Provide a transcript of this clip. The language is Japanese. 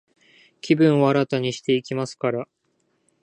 気分を新たにしていきますから、